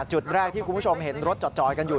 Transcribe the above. จุดแรกที่คุณผู้ชมเห็นรถจอยกันอยู่